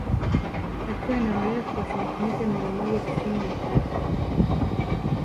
Akiwa na urefu wa sentimeta mia moja tisini na tatu